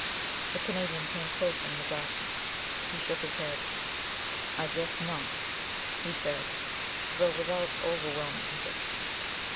The Canadian came closer in the darkness. He shook his head. "I guess not," he said, though without overwhelming conviction.